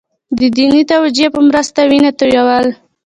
د دیني توجیه په مرسته وینه تویول.